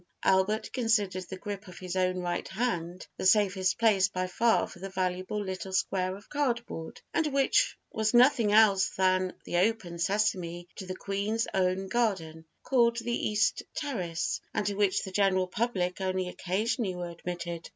Albert considered the grip of his own right hand the safest place by far for the valuable little square of cardboard, and which was nothing else than the open sesame to the Queen's own garden, called the East Terrace, and to which the general public only occasionally were admitted.